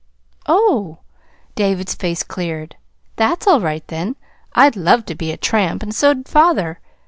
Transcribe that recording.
"Oh!" David's face cleared. "That's all right, then. I'd love to be a tramp, and so'd father.